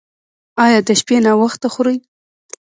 ایا د شپې ناوخته خورئ؟